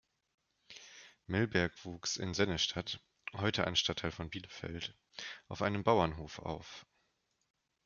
Milberg wuchs in Sennestadt, heute ein Stadtteil von Bielefeld, auf einem Bauernhof auf.